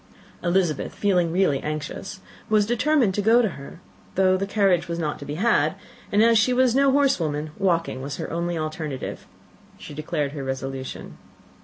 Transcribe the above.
Elizabeth, feeling really anxious, determined to go to her, though the carriage was not to be had: and as she was no horsewoman, walking was her only alternative. She declared her resolution.